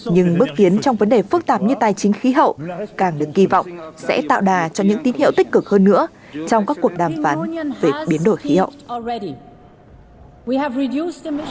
nhưng bước tiến trong vấn đề phức tạp như tài chính khí hậu càng được kỳ vọng sẽ tạo đà cho những tín hiệu tích cực hơn nữa trong các cuộc đàm phán về biến đổi khí hậu